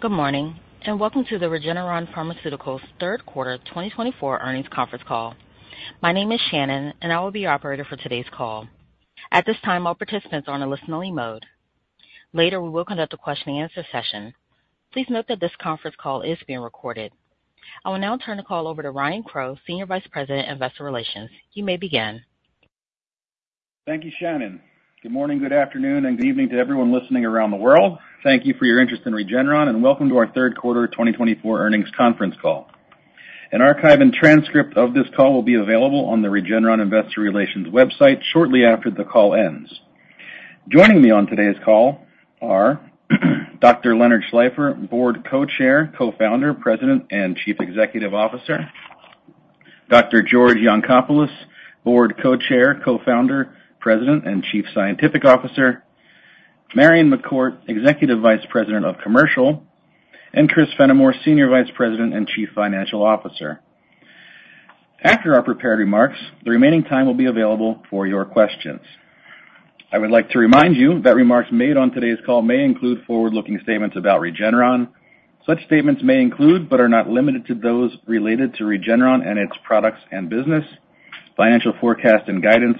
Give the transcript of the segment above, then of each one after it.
Good morning and welcome to the Regeneron Pharmaceuticals Third Quarter 2024 Earnings Conference Call. My name is Shannon, and I will be your operator for today's call. At this time, all participants are on a listen-only mode. Later, we will conduct a question-and-answer session. Please note that this conference call is being recorded. I will now turn the call over to Ryan Crowe, Senior Vice President, Investor Relations. You may begin. Thank you, Shannon. Good morning, good afternoon, and good evening to everyone listening around the world. Thank you for your interest in Regeneron and welcome to our third quarter 2024 earnings conference call. An archive and transcript of this call will be available on the Regeneron Investor Relations website shortly after the call ends. Joining me on today's call are Dr. Leonard Schleifer, Board Co-Chair, Co-Founder, President, and Chief Executive Officer. Dr. George Yancopoulos, Board Co-Chair, Co-Founder, President, and Chief Scientific Officer. Marion McCourt, Executive Vice President of Commercial. And Chris Fenimore, Senior Vice President and Chief Financial Officer. After our prepared remarks, the remaining time will be available for your questions. I would like to remind you that remarks made on today's call may include forward-looking statements about Regeneron. Such statements may include but are not limited to those related to Regeneron and its products and business, financial forecast and guidance,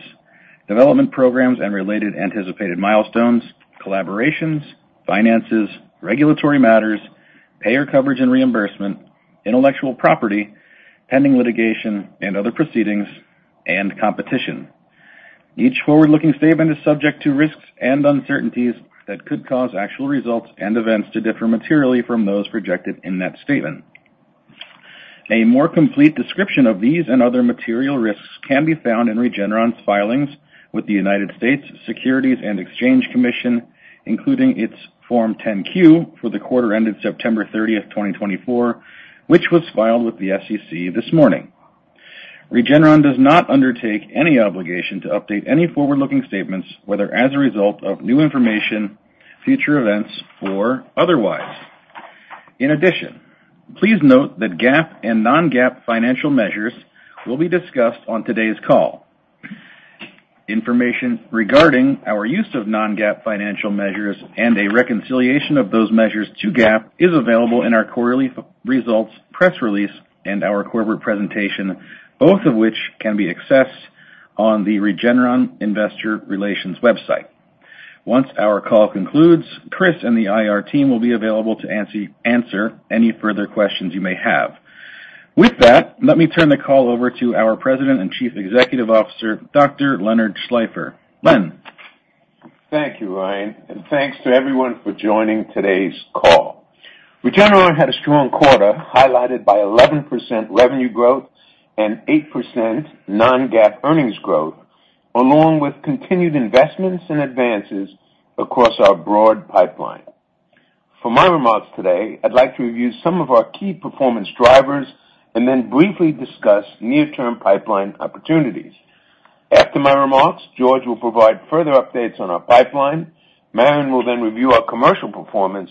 development programs and related anticipated milestones, collaborations, finances, regulatory matters, payer coverage and reimbursement, intellectual property, pending litigation and other proceedings, and competition. Each forward-looking statement is subject to risks and uncertainties that could cause actual results and events to differ materially from those projected in that statement. A more complete description of these and other material risks can be found in Regeneron's filings with the United States Securities and Exchange Commission, including its Form 10-Q for the quarter ended September 30, 2024, which was filed with the SEC this morning. Regeneron does not undertake any obligation to update any forward-looking statements, whether as a result of new information, future events, or otherwise. In addition, please note that GAAP and non-GAAP financial measures will be discussed on today's call. Information regarding our use of non-GAAP financial measures and a reconciliation of those measures to GAAP is available in our quarterly results press release and our corporate presentation, both of which can be accessed on the Regeneron Investor Relations website. Once our call concludes, Chris and the IR team will be available to answer any further questions you may have. With that, let me turn the call over to our President and Chief Executive Officer, Dr. Leonard Schleifer. Len. Thank you, Ryan, and thanks to everyone for joining today's call. Regeneron had a strong quarter highlighted by 11% revenue growth and 8% non-GAAP earnings growth, along with continued investments and advances across our broad pipeline. For my remarks today, I'd like to review some of our key performance drivers and then briefly discuss near-term pipeline opportunities. After my remarks, George will provide further updates on our pipeline. Marion will then review our commercial performance.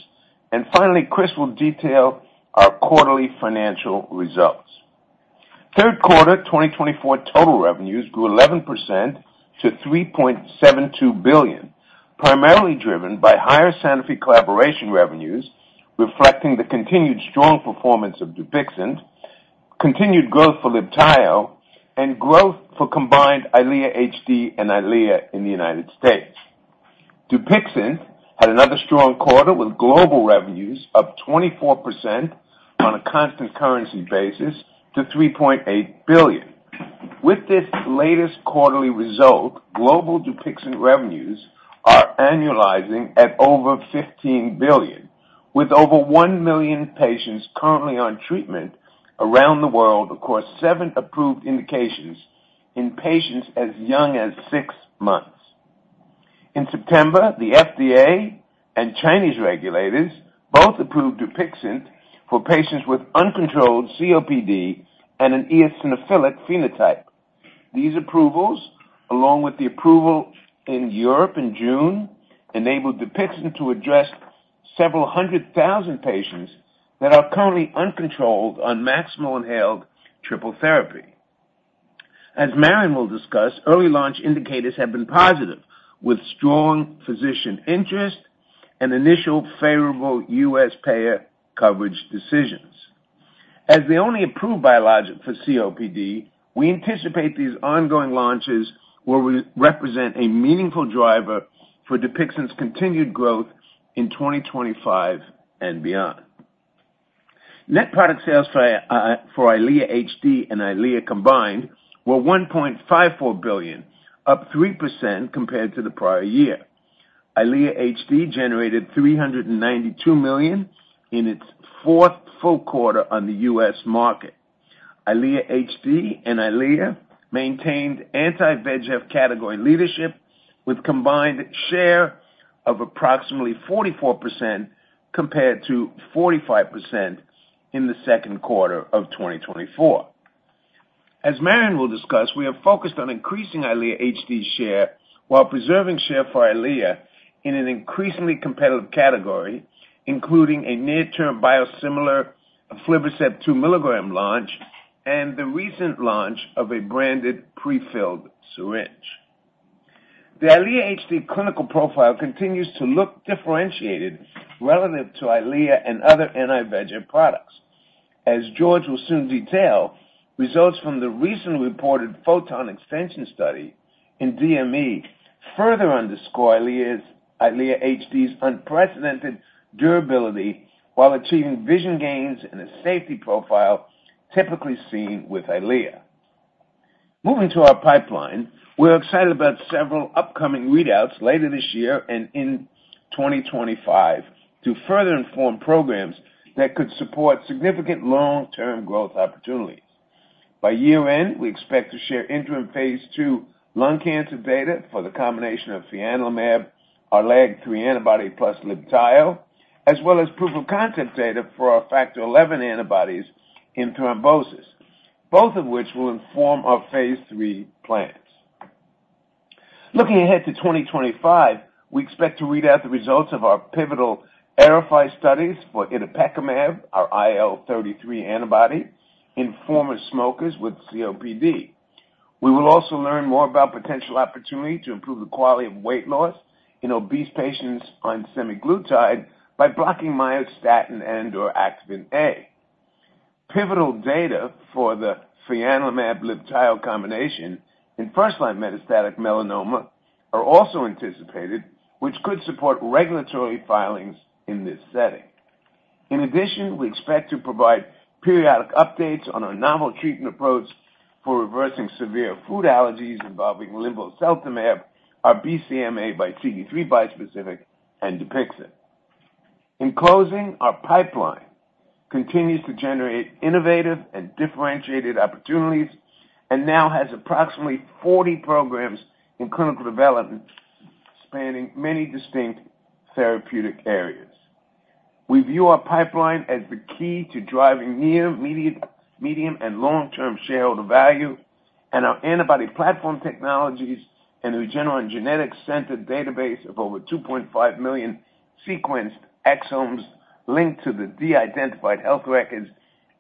And finally, Chris will detail our quarterly financial results. Third quarter 2024 total revenues grew 11% to $3.72 billion, primarily driven by higher Sanofi collaboration revenues, reflecting the continued strong performance of Dupixent, continued growth for Libtayo, and growth for combined Eylea HD and Eylea in the United States. Dupixent had another strong quarter with global revenues up 24% on a constant currency basis to $3.8 billion. With this latest quarterly result, global Dupixent revenues are annualizing at over $15 billion, with over 1 million patients currently on treatment around the world across seven approved indications in patients as young as six months. In September, the FDA and Chinese regulators both approved Dupixent for patients with uncontrolled COPD and an eosinophilic phenotype. These approvals, along with the approval in Europe in June, enabled Dupixent to address several hundred thousand patients that are currently uncontrolled on maximal-inhaled triple therapy. As Marion will discuss, early launch indicators have been positive, with strong physician interest and initial favorable U.S. payer coverage decisions. As the only approved biologic for COPD, we anticipate these ongoing launches will represent a meaningful driver for Dupixent's continued growth in 2025 and beyond. Net product sales for Eylea HD and Eylea combined were $1.54 billion, up 3% compared to the prior year. Eylea HD generated $392 million in its fourth full quarter on the U.S. market. Eylea HD and Eylea maintained anti-VEGF category leadership with combined share of approximately 44% compared to 45% in the second quarter of 2024. As Marion will discuss, we have focused on increasing Eylea HD's share while preserving share for Eylea in an increasingly competitive category, including a near-term biosimilar of aflibercept 2 mg launch and the recent launch of a branded prefilled syringe. The Eylea HD clinical profile continues to look differentiated relative to Eylea and other anti-VEGF products. As George will soon detail, results from the recently reported PHOTON extension study in DME further underscore Eylea HD's unprecedented durability while achieving vision gains and a safety profile typically seen with Eylea. Moving to our pipeline, we're excited about several upcoming readouts later this year and in 2025 to further inform programs that could support significant long-term growth opportunities. By year-end, we expect to share interim phase two lung cancer data for the combination of fianlimab, LAG-3 antibody plus Libtayo, as well as proof of concept data for our Factor XI antibodies in thrombosis, both of which will inform our phase three plans. Looking ahead to 2025, we expect to read out the results of our pivotal AERIFY studies for itepekimab, our IL-33 antibody, in former smokers with COPD. We will also learn more about potential opportunity to improve the quality of weight loss in obese patients on semaglutide by blocking myostatin and/or Activin A. Pivotal data for the fianlimab-Libtayo combination in first-line metastatic melanoma are also anticipated, which could support regulatory filings in this setting. In addition, we expect to provide periodic updates on our novel treatment approach for reversing severe food allergies involving linvoseltamab, our BCMAxCD3 bispecific, and Dupixent. In closing, our pipeline continues to generate innovative and differentiated opportunities and now has approximately 40 programs in clinical development spanning many distinct therapeutic areas. We view our pipeline as the key to driving near, medium, and long-term shareholder value, and our antibody platform technologies and the Regeneron Genetics Center database of over 2.5 million sequenced exomes linked to the de-identified health records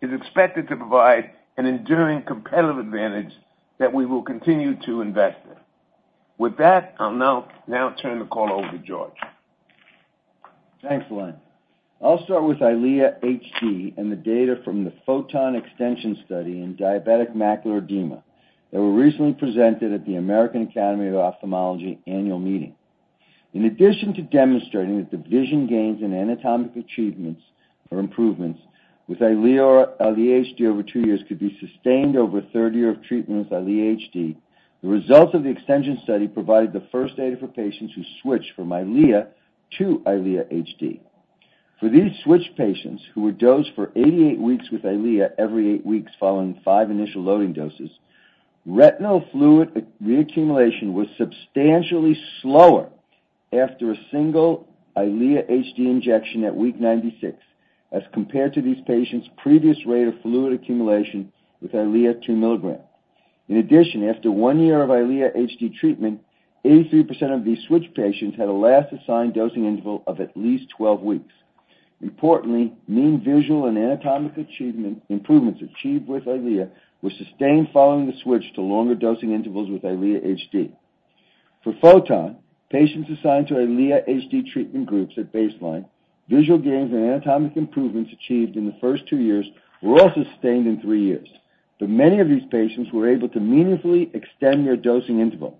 is expected to provide an enduring competitive advantage that we will continue to invest in. With that, I'll now turn the call over to George. Thanks, Len. I'll start with Eylea HD and the data from the PHOTON extension study in diabetic macular edema that were recently presented at the American Academy of Ophthalmology annual meeting. In addition to demonstrating that the vision gains and anatomic achievements or improvements with Eylea HD over two years could be sustained over 3 years of treatment with Eylea HD, the results of the extension study provided the first data for patients who switched from Eylea to Eylea HD. For these switch patients who were dosed for 88 weeks with Eylea every eight weeks following five initial loading doses, retinal fluid reaccumulation was substantially slower after a single Eylea HD injection at week 96 as compared to these patients' previous rate of fluid accumulation with Eylea 2 mg. In addition, after one year of EYLEA HD treatment, 83% of these switch patients had a last assigned dosing interval of at least 12 weeks. Importantly, mean visual and anatomic improvements achieved with EYLEA were sustained following the switch to longer dosing intervals with EYLEA HD. For PHOTON, patients assigned to EYLEA HD treatment groups at baseline, visual gains and anatomic improvements achieved in the first two years were also sustained in three years. But many of these patients were able to meaningfully extend their dosing interval.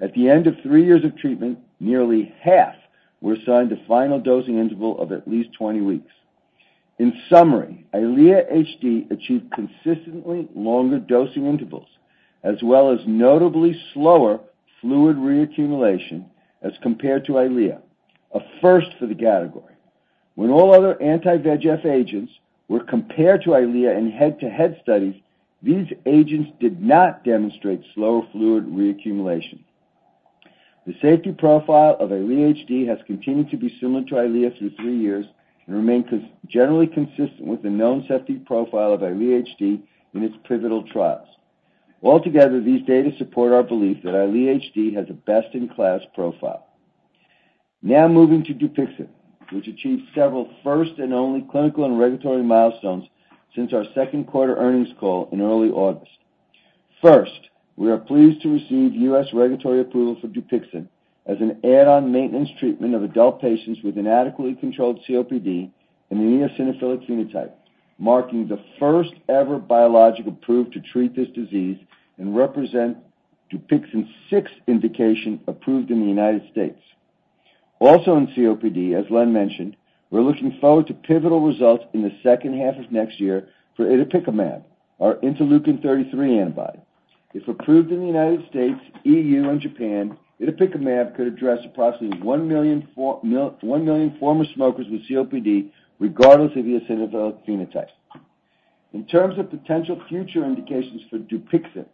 At the end of three years of treatment, nearly half were assigned a final dosing interval of at least 20 weeks. In summary, EYLEA HD achieved consistently longer dosing intervals, as well as notably slower fluid reaccumulation as compared to EYLEA, a first for the category. When all other anti-VEGF agents were compared to Eylea in head-to-head studies, these agents did not demonstrate slower fluid reaccumulation. The safety profile of Eylea HD has continued to be similar to Eylea through three years and remains generally consistent with the known safety profile of Eylea HD in its pivotal trials. Altogether, these data support our belief that Eylea HD has a best-in-class profile. Now moving to Dupixent, which achieved several first and only clinical and regulatory milestones since our second quarter earnings call in early August. First, we are pleased to receive U.S. regulatory approval for Dupixent as an add-on maintenance treatment of adult patients with inadequately controlled COPD and the eosinophilic phenotype, marking the first-ever biologic approved to treat this disease and represent Dupixent's sixth indication approved in the United States. Also in COPD, as Len mentioned, we're looking forward to pivotal results in the second half of next year for itepekimab, our interleukin-33 antibody. If approved in the United States, EU, and Japan, itepekimab could address approximately one million former smokers with COPD, regardless of eosinophilic phenotype. In terms of potential future indications for Dupixent,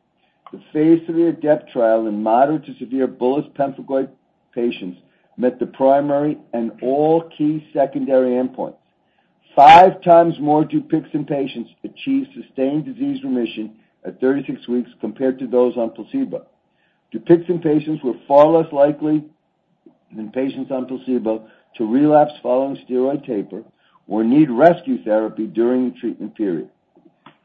the phase 3 ADEPT trial in moderate to severe bullous pemphigoid patients met the primary and all key secondary endpoints. Five times more Dupixent patients achieved sustained disease remission at 36 weeks compared to those on placebo. Dupixent patients were far less likely than patients on placebo to relapse following steroid taper or need rescue therapy during the treatment period.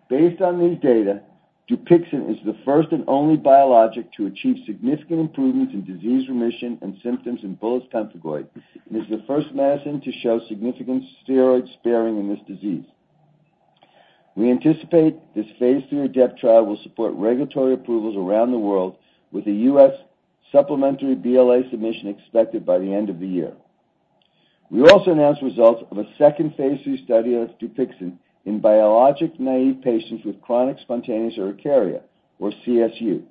Based on these data, Dupixent is the first and only biologic to achieve significant improvements in disease remission and symptoms in bullous pemphigoid and is the first medicine to show significant steroid sparing in this disease. We anticipate this phase three ADEPT trial will support regulatory approvals around the world, with a U.S. supplementary BLA submission expected by the end of the year. We also announced results of a second phase three study of Dupixent in biologic naive patients with chronic spontaneous urticaria, or CSU,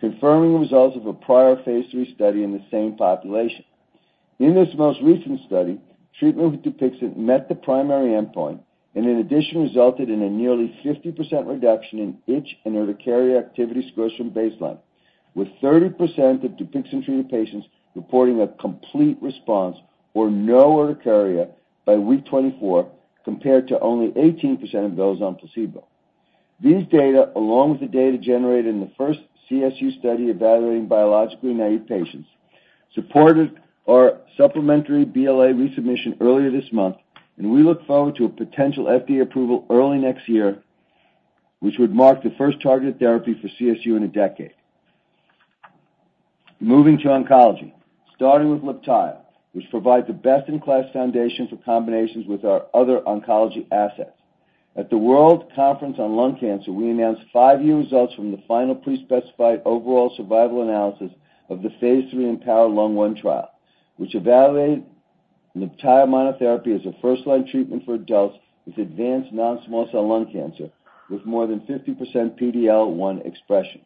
confirming results of a prior phase three study in the same population. In this most recent study, treatment with Dupixent met the primary endpoint and in addition resulted in a nearly 50% reduction in itch and urticaria activity scores from baseline, with 30% of Dupixent-treated patients reporting a complete response or no urticaria by week 24 compared to only 18% of those on placebo. These data, along with the data generated in the first CSU study evaluating biologically naive patients, supported our supplementary BLA resubmission earlier this month, and we look forward to a potential FDA approval early next year, which would mark the first targeted therapy for CSU in a decade. Moving to oncology, starting with Libtayo, which provides the best-in-class foundation for combinations with our other oncology assets. At the World Conference on Lung Cancer, we announced five-year results from the final pre-specified overall survival analysis of the phase 3 Empower Lung I trial, which evaluated Libtayo monotherapy as a first-line treatment for adults with advanced non-small cell lung cancer with more than 50% PD-L1 expression.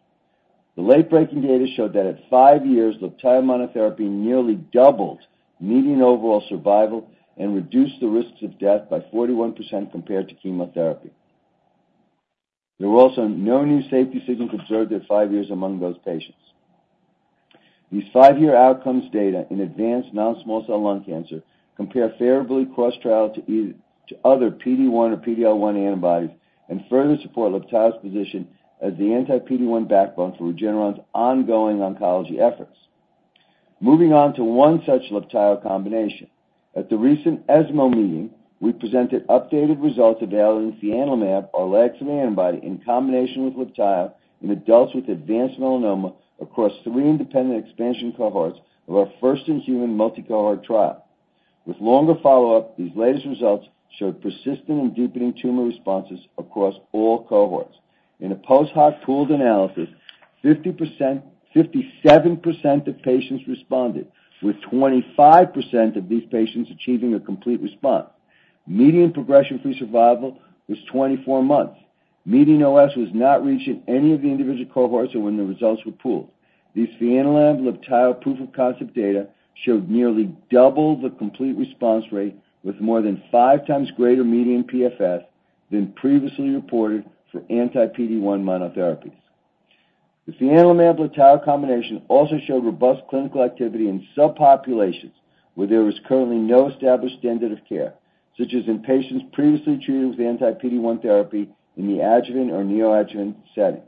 The late-breaking data showed that at five years, Libtayo monotherapy nearly doubled median overall survival and reduced the risks of death by 41% compared to chemotherapy. There were also no new safety signals observed at five years among those patients. These five-year outcomes data in advanced non-small cell lung cancer compare favorably cross-trial to other PD-1 or PD-L1 antibodies and further support Libtayo's position as the anti-PD-1 backbone for Regeneron's ongoing oncology efforts. Moving on to one such Libtayo combination. At the recent ESMO meeting, we presented updated results evaluating fianlimab, our legacy antibody in combination with Libtayo in adults with advanced melanoma across three independent expansion cohorts of our first-in-human multicohort trial. With longer follow-up, these latest results showed persistent and deepening tumor responses across all cohorts. In a post-hoc pooled analysis, 50%, 57% of patients responded, with 25% of these patients achieving a complete response. Median progression-free survival was 24 months. Median OS was not reached in any of the individual cohorts when the results were pooled. These fianlimab-Libtayo proof of concept data showed nearly double the complete response rate with more than five times greater median PFS than previously reported for anti-PD-1 monotherapies. The fianlimab-Libtayo combination also showed robust clinical activity in subpopulations where there was currently no established standard of care, such as in patients previously treated with anti-PD-1 therapy in the adjuvant or neoadjuvant setting.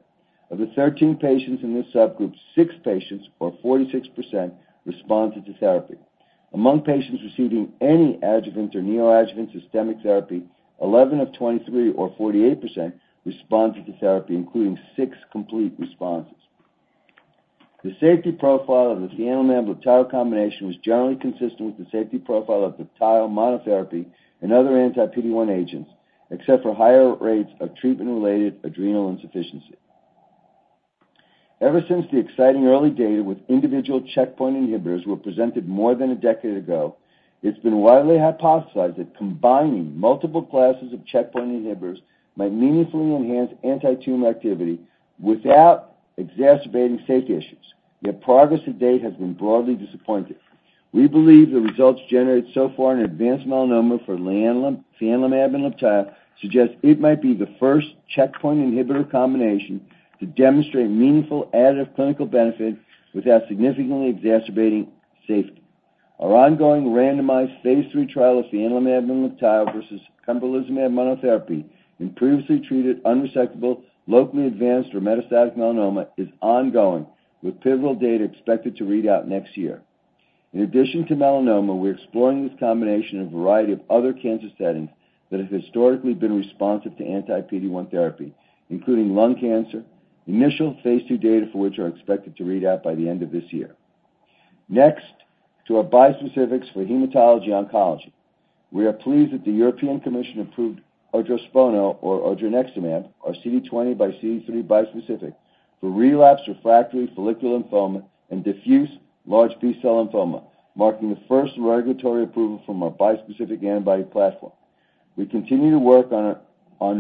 Of the 13 patients in this subgroup, six patients, or 46%, responded to therapy. Among patients receiving any adjuvant or neoadjuvant systemic therapy, 11 of 23, or 48%, responded to therapy, including six complete responses. The safety profile of the fianlimab-Libtayo combination was generally consistent with the safety profile of Libtayo monotherapy and other anti-PD-1 agents, except for higher rates of treatment-related adrenal insufficiency. Ever since the exciting early data with individual checkpoint inhibitors were presented more than a decade ago, it's been widely hypothesized that combining multiple classes of checkpoint inhibitors might meaningfully enhance anti-tumor activity without exacerbating safety issues. Yet progress to date has been broadly disappointing. We believe the results generated so far in advanced melanoma for fianlimab and Libtayo suggest it might be the first checkpoint inhibitor combination to demonstrate meaningful additive clinical benefit without significantly exacerbating safety. Our ongoing randomized phase three trial of fianlimab and Libtayo versus pembrolizumab monotherapy in previously treated unresectable, locally advanced, or metastatic melanoma is ongoing, with pivotal data expected to read out next year. In addition to melanoma, we're exploring this combination in a variety of other cancer settings that have historically been responsive to anti-PD-1 therapy, including lung cancer, initial phase 2 data for which are expected to read out by the end of this year. Next to our bispecifics for hematology oncology. We are pleased that the European Commission approved Ordspono or odronextamab, our CD20xCD3 bispecific for relapsed refractory follicular lymphoma and diffuse large B-cell lymphoma, marking the first regulatory approval from our bispecific antibody platform. We continue to work on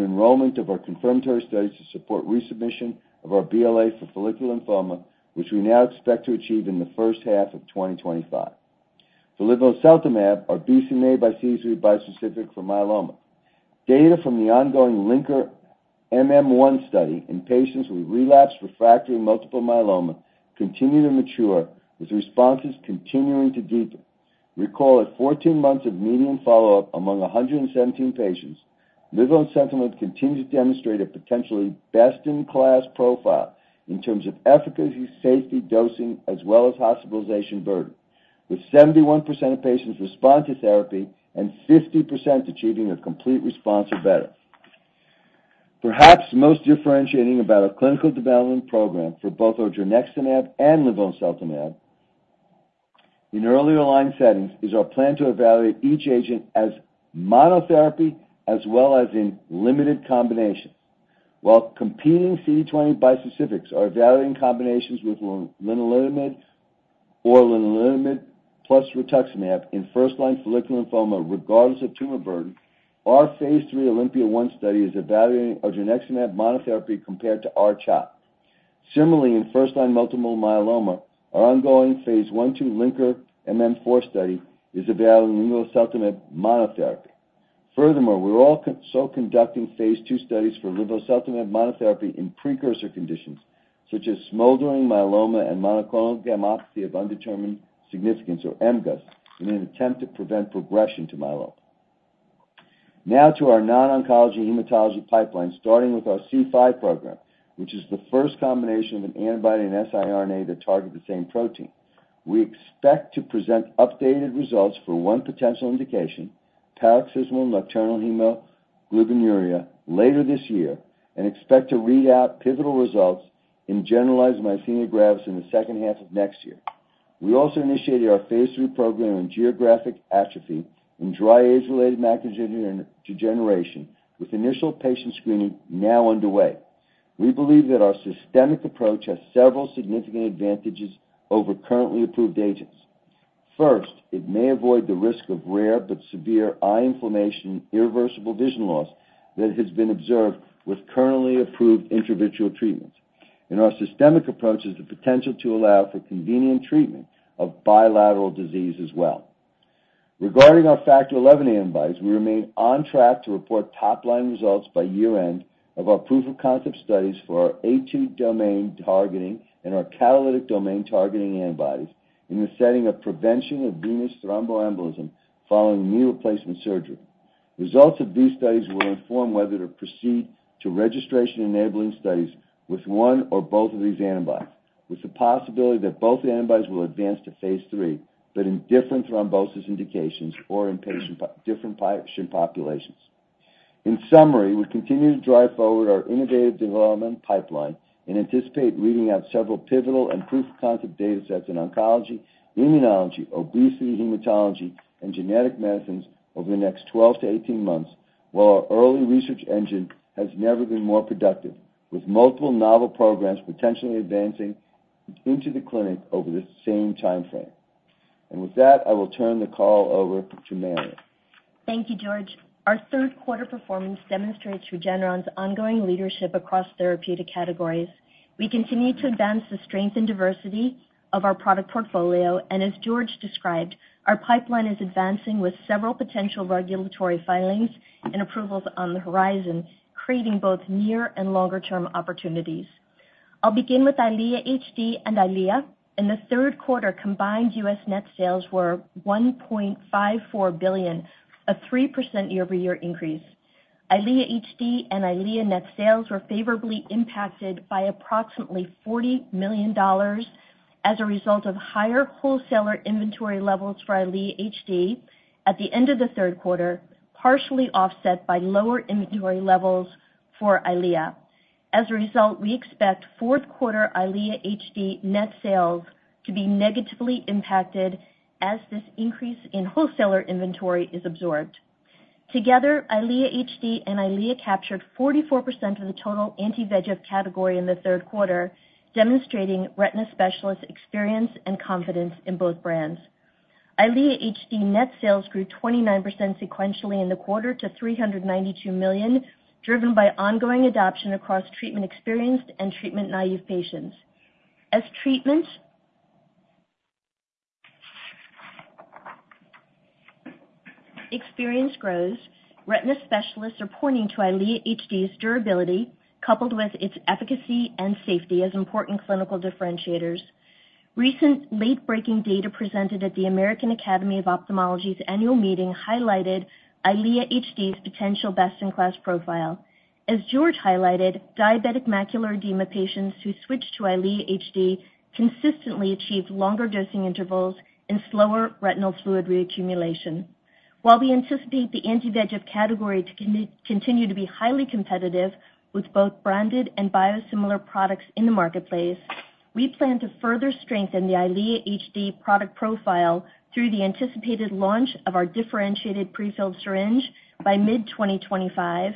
enrollment of our confirmatory studies to support resubmission of our BLA for follicular lymphoma, which we now expect to achieve in the first half of 2025. For Linvoseltamab, our BCMAxCD3 bispecific for myeloma. Data from the ongoing LINKER-MM1 study in patients with relapsed refractory multiple myeloma continue to mature, with responses continuing to deepen. Recall, at 14 months of median follow-up among 117 patients, linvoseltamab continues to demonstrate a potentially best-in-class profile in terms of efficacy, safety, dosing, as well as hospitalization burden, with 71% of patients responding to therapy and 50% achieving a complete response or better. Perhaps most differentiating about our clinical development program for both odronextamab and linvoseltamab in earlier line settings is our plan to evaluate each agent as monotherapy as well as in limited combinations. While competing CD20 bispecifics are evaluating combinations with lenalidomide or lenalidomide plus rituximab in first-line follicular lymphoma, regardless of tumor burden, our phase 3 OLYMPIA-1 study is evaluating odronextamab monotherapy compared to R-CHOP. Similarly, in first-line multiple myeloma, our ongoing phase 1/2 LINKER-MM1 study is evaluating linvoseltamab monotherapy. Furthermore, we're also conducting phase two studies for Linvoseltamab monotherapy in precursor conditions such as smoldering myeloma and monoclonal gammopathy of undetermined significance, or MGUS, in an attempt to prevent progression to myeloma. Now to our non-oncology hematology pipeline, starting with our C5 program, which is the first combination of an antibody and siRNA that target the same protein. We expect to present updated results for one potential indication, paroxysmal nocturnal hemoglobinuria, later this year, and expect to read out pivotal results in generalized myasthenia gravis in the second half of next year. We also initiated our phase three program in geographic atrophy and dry age-related macular degeneration, with initial patient screening now underway. We believe that our systemic approach has several significant advantages over currently approved agents. First, it may avoid the risk of rare but severe eye inflammation and irreversible vision loss that has been observed with currently approved intravitreal treatments. In our systemic approach, there is the potential to allow for convenient treatment of bilateral disease as well. Regarding our Factor XI antibodies, we remain on track to report top-line results by year-end of our proof of concept studies for our A2 domain targeting and our catalytic domain targeting antibodies in the setting of prevention of Venous Thromboembolism following knee replacement surgery. Results of these studies will inform whether to proceed to registration-enabling studies with one or both of these antibodies, with the possibility that both antibodies will advance to phase 3, but in different thrombosis indications or in different patient populations. In summary, we continue to drive forward our innovative development pipeline and anticipate reading out several pivotal and proof of concept data sets in oncology, immunology, obesity, hematology, and genetic medicines over the next 12 to 18 months, while our early research engine has never been more productive, with multiple novel programs potentially advancing into the clinic over the same timeframe. And with that, I will turn the call over to Marion. Thank you, George. Our third-quarter performance demonstrates Regeneron's ongoing leadership across therapeutic categories. We continue to advance the strength and diversity of our product portfolio, and as George described, our pipeline is advancing with several potential regulatory filings and approvals on the horizon, creating both near and longer-term opportunities. I'll begin with Eylea HD and Eylea. In the third quarter, combined U.S. net sales were $1.54 billion, a 3% year-over-year increase. Eylea HD and Eylea net sales were favorably impacted by approximately $40 million as a result of higher wholesaler inventory levels for Eylea HD at the end of the third quarter, partially offset by lower inventory levels for Eylea. As a result, we expect fourth-quarter Eylea HD net sales to be negatively impacted as this increase in wholesaler inventory is absorbed. Together, Eylea HD and Eylea captured 44% of the total anti-VEGF category in the third quarter, demonstrating retina specialists' experience and confidence in both brands. Eylea HD net sales grew 29% sequentially in the quarter to $392 million, driven by ongoing adoption across treatment-experienced and treatment-naive patients. As treatment experience grows, retina specialists are pointing to Eylea HD's durability, coupled with its efficacy and safety as important clinical differentiators. Recent late-breaking data presented at the American Academy of Ophthalmology's annual meeting highlighted Eylea HD's potential best-in-class profile. As George highlighted, Diabetic Macular Edema patients who switched to Eylea HD consistently achieved longer dosing intervals and slower retinal fluid reaccumulation. While we anticipate the anti-VEGF category to continue to be highly competitive with both branded and biosimilar products in the marketplace, we plan to further strengthen the Eylea HD product profile through the anticipated launch of our differentiated prefilled syringe by mid-2025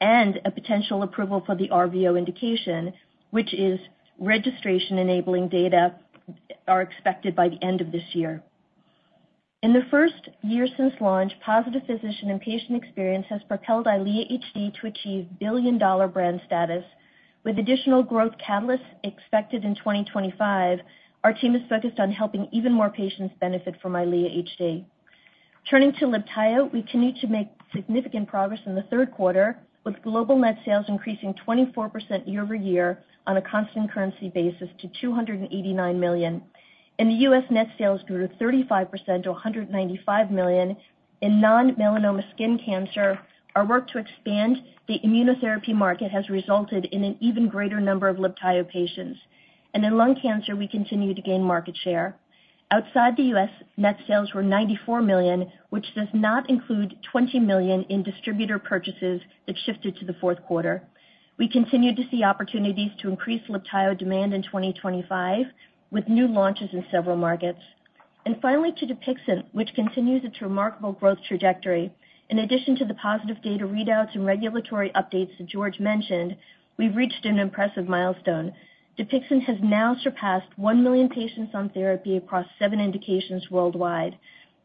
and a potential approval for the RVO indication, which is registration-enabling data that are expected by the end of this year. In the first year since launch, positive physician and patient experience has propelled Eylea HD to achieve billion-dollar brand status. With additional growth catalysts expected in 2025, our team is focused on helping even more patients benefit from Eylea HD. Turning to Libtayo, we continue to make significant progress in the third quarter, with global net sales increasing 24% year-over-year on a constant currency basis to $289 million. In the U.S., net sales grew 35% to $195 million. In non-melanoma skin cancer, our work to expand the immunotherapy market has resulted in an even greater number of Libtayo patients, and in lung cancer, we continue to gain market share. Outside the U.S., net sales were $94 million, which does not include $20 million in distributor purchases that shifted to the fourth quarter. We continue to see opportunities to increase Libtayo demand in 2025 with new launches in several markets, and finally, to Dupixent, which continues its remarkable growth trajectory. In addition to the positive data readouts and regulatory updates that George mentioned, we've reached an impressive milestone. Dupixent has now surpassed one million patients on therapy across seven indications worldwide.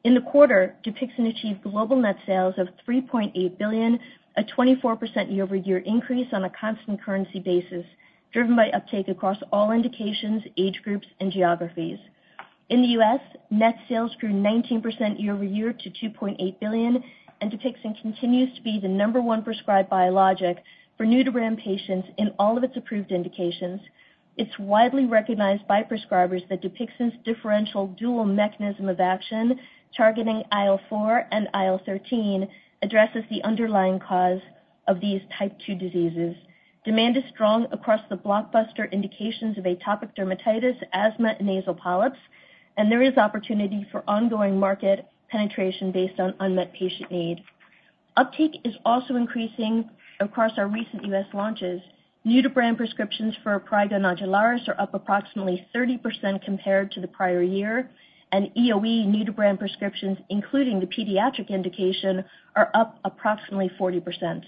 In the quarter, Dupixent achieved global net sales of $3.8 billion, a 24% year-over-year increase on a constant currency basis, driven by uptake across all indications, age groups, and geographies. In the U.S., net sales grew 19% year-over-year to $2.8 billion, and Dupixent continues to be the number one prescribed biologic for new-to-brand patients in all of its approved indications. It's widely recognized by prescribers that Dupixent's differential dual mechanism of action targeting IL4 and IL13 addresses the underlying cause of these type 2 diseases. Demand is strong across the blockbuster indications of atopic dermatitis, asthma, and nasal polyps, and there is opportunity for ongoing market penetration based on unmet patient need. Uptake is also increasing across our recent U.S. launches. New-to-brand prescriptions for prurigo nodularis are up approximately 30% compared to the prior year, and EoE new-to-brand prescriptions, including the pediatric indication, are up approximately 40%.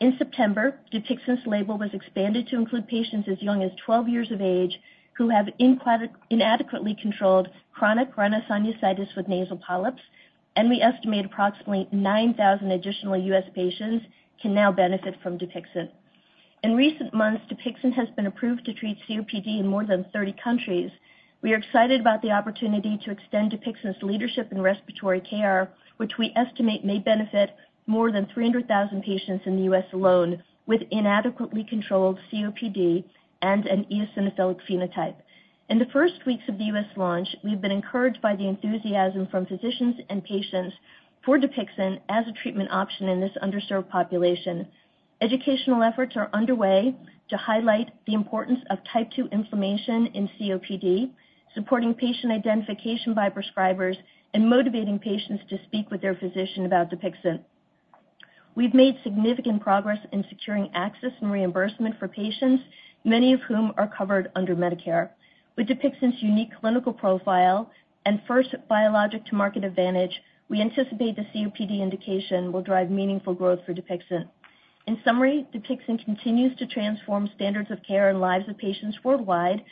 In September, Dupixent's label was expanded to include patients as young as 12 years of age who have inadequately controlled chronic rhinosinusitis with nasal polyps, and we estimate approximately 9,000 additional U.S. patients can now benefit from Dupixent. In recent months, Dupixent has been approved to treat COPD in more than 30 countries. We are excited about the opportunity to extend Dupixent's leadership in respiratory care, which we estimate may benefit more than 300,000 patients in the U.S. alone with inadequately controlled COPD and an eosinophilic phenotype. In the first weeks of the U.S. launch, we've been encouraged by the enthusiasm from physicians and patients for Dupixent as a treatment option in this underserved population. Educational efforts are underway to highlight the importance of type 2 inflammation in COPD, supporting patient identification by prescribers, and motivating patients to speak with their physician about Dupixent. We've made significant progress in securing access and reimbursement for patients, many of whom are covered under Medicare. With Dupixent's unique clinical profile and first biologic-to-market advantage, we anticipate the COPD indication will drive meaningful growth for Dupixent. In summary, Dupixent continues to transform standards of care and lives of patients worldwide.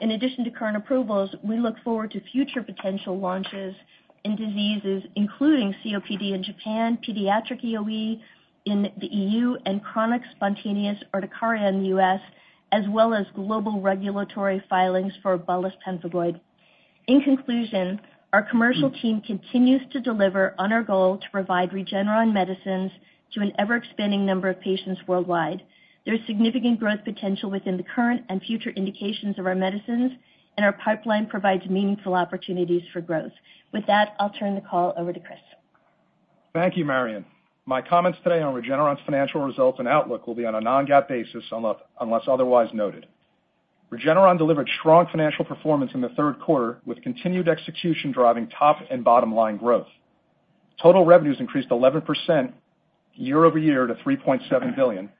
In addition to current approvals, we look forward to future potential launches in diseases including COPD in Japan, pediatric EOE in the EU, and chronic spontaneous urticaria in the U.S., as well as global regulatory filings for bullous pemphigoid. In conclusion, our commercial team continues to deliver on our goal to provide Regeneron medicines to an ever-expanding number of patients worldwide. There is significant growth potential within the current and future indications of our medicines, and our pipeline provides meaningful opportunities for growth. With that, I'll turn the call over to Chris. Thank you, Marion. My comments today on Regeneron's financial results and outlook will be on a non-GAAP basis unless otherwise noted. Regeneron delivered strong financial performance in the third quarter, with continued execution driving top and bottom-line growth. Total revenues increased 11% year-over-year to $3.7 billion,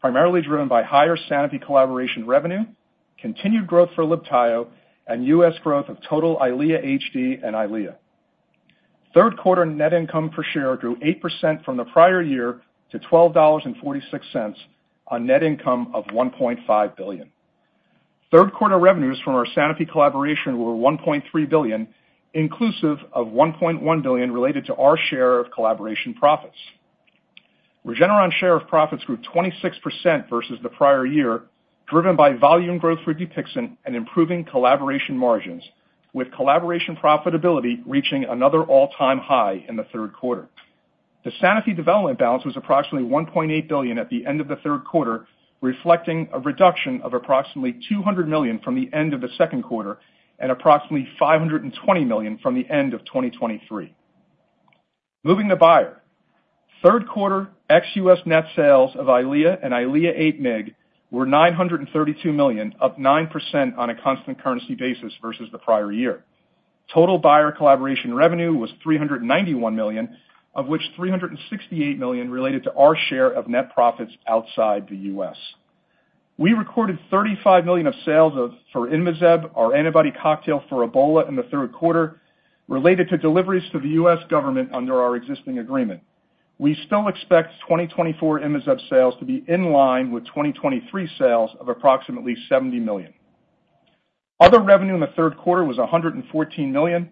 primarily driven by higher Sanofi collaboration revenue, continued growth for Libtayo, and U.S. growth of total Eylea HD and Eylea. Third-quarter net income per share grew 8% from the prior year to $12.46 on net income of $1.5 billion. Third-quarter revenues from our Sanofi collaboration were $1.3 billion, inclusive of $1.1 billion related to our share of collaboration profits. Regeneron's share of profits grew 26% versus the prior year, driven by volume growth for Dupixent and improving collaboration margins, with collaboration profitability reaching another all-time high in the third quarter. cash and cash equivalents balance was approximately $1.8 billion at the end of the third quarter, reflecting a reduction of approximately $200 million from the end of the second quarter and approximately $520 million from the end of 2023. Moving to Bayer. Third-quarter ex-U.S. net sales of Eylea and Eylea HD were $932 million, up 9% on a constant currency basis versus the prior year. Total Bayer collaboration revenue was $391 million, of which $368 million related to our share of net profits outside the U.S. We recorded $35 million of sales for Inmazeb, our antibody cocktail for Ebola in the third quarter, related to deliveries to the U.S. government under our existing agreement. We still expect 2024 Inmazeb sales to be in line with 2023 sales of approximately $70 million. Other revenue in the third quarter was $114 million.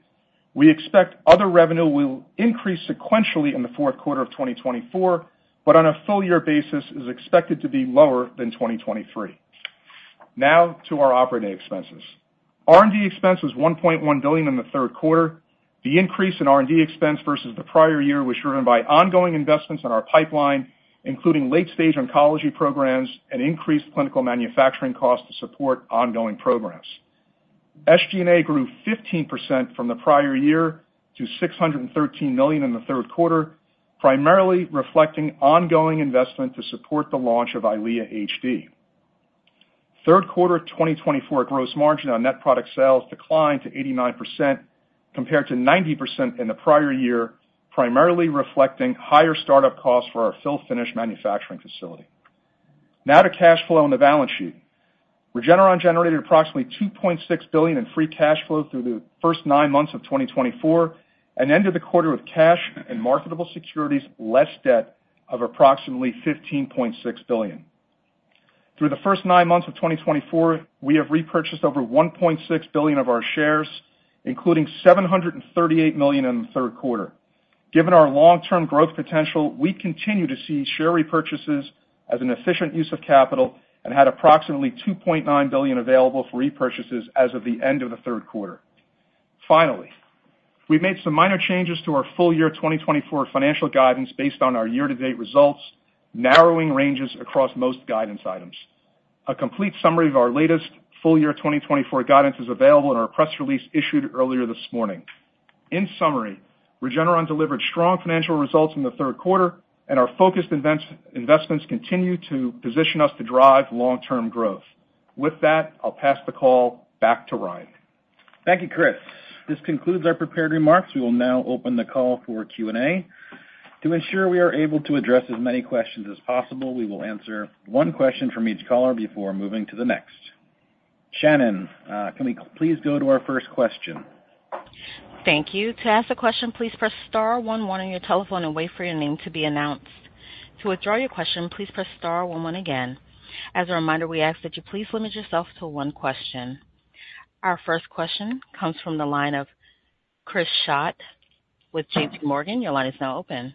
We expect other revenue will increase sequentially in the fourth quarter of 2024, but on a full-year basis is expected to be lower than 2023. Now to our operating expenses. R&D expense was $1.1 billion in the third quarter. The increase in R&D expense versus the prior year was driven by ongoing investments in our pipeline, including late-stage oncology programs and increased clinical manufacturing costs to support ongoing programs. SG&A grew 15% from the prior year to $613 million in the third quarter, primarily reflecting ongoing investment to support the launch of Eylea HD. Third quarter 2024 gross margin on net product sales declined to 89% compared to 90% in the prior year, primarily reflecting higher startup costs for our fill-finish manufacturing facility. Now to cash flow on the balance sheet. Regeneron generated approximately $2.6 billion in free cash flow through the first nine months of 2024 and ended the quarter with cash and marketable securities less debt of approximately $15.6 billion. Through the first nine months of 2024, we have repurchased over $1.6 billion of our shares, including $738 million in the third quarter. Given our long-term growth potential, we continue to see share repurchases as an efficient use of capital and had approximately $2.9 billion available for repurchases as of the end of the third quarter. Finally, we've made some minor changes to our full-year 2024 financial guidance based on our year-to-date results, narrowing ranges across most guidance items. A complete summary of our latest full-year 2024 guidance is available in our press release issued earlier this morning. In summary, Regeneron delivered strong financial results in the third quarter, and our focused investments continue to position us to drive long-term growth. With that, I'll pass the call back to Ryan. Thank you, Chris. This concludes our prepared remarks. We will now open the call for Q&A. To ensure we are able to address as many questions as possible, we will answer one question from each caller before moving to the next. Shannon, can we please go to our first question? Thank you. To ask a question, please press star one one on your telephone and wait for your name to be announced. To withdraw your question, please press star one one again. As a reminder, we ask that you please limit yourself to one question. Our first question comes from the line of Chris Schott with JPMorgan. Your line is now open.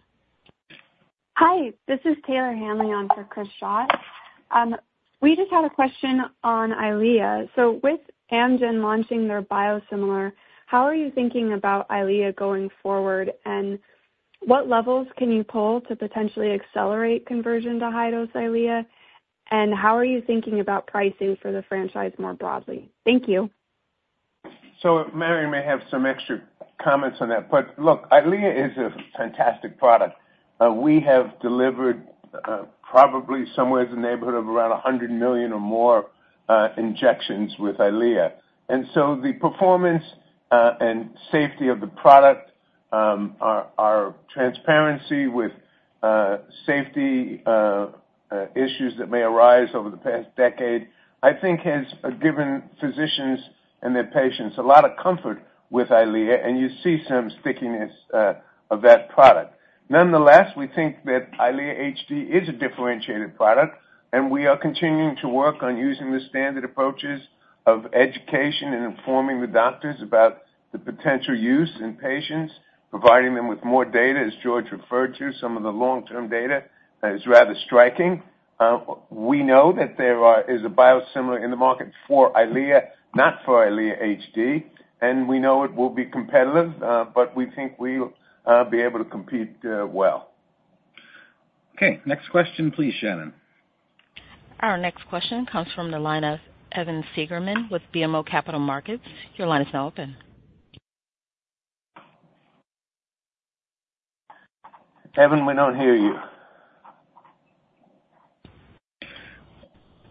Hi. This is Taylor Hanley on for Chris Schott. We just had a question on Eylea. So with Amgen launching their biosimilar, how are you thinking about Eylea going forward, and what levers can you pull to potentially accelerate conversion to high-dose Eylea, and how are you thinking about pricing for the franchise more broadly? Thank you. So Marion may have some extra comments on that, but look, Eylea is a fantastic product. We have delivered probably somewhere in the neighborhood of around 100 million or more injections with Eylea. And so the performance and safety of the product, our transparency with safety issues that may arise over the past decade, I think has given physicians and their patients a lot of comfort with Eylea, and you see some stickiness of that product. Nonetheless, we think that Eylea HD is a differentiated product, and we are continuing to work on using the standard approaches of education and informing the doctors about the potential use in patients, providing them with more data, as George referred to. Some of the long-term data is rather striking. We know that there is a biosimilar in the market for Eylea, not for Eylea HD, and we know it will be competitive, but we think we'll be able to compete well. Okay. Next question, please, Shannon. Our next question comes from the line of Evan Seigerman with BMO Capital Markets. Your line is now open. Evan, we don't hear you.